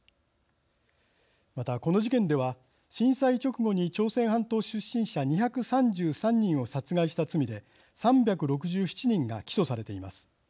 また、この事件では震災直後に朝鮮半島出身者２３３人を殺害した罪で３６７人が起訴されています。